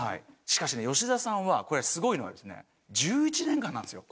しかしね吉田さんはこれすごいのはですね１１年間なんですよ。